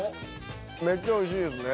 めっちゃおいしいですね。